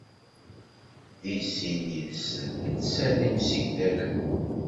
Deg sin yid-sen lsan imsegdalen?